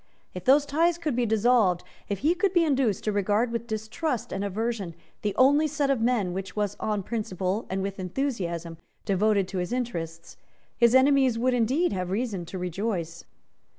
If those ties could be dissolved, if he could be induced to regard with distrust and aversion the only set of men which was on principle and with enthusiasm devoted to his interests, his enemies would indeed have reason to rejoice.